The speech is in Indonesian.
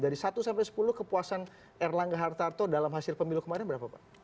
dari satu sampai sepuluh kepuasan erlangga hartarto dalam hasil pemilu kemarin berapa pak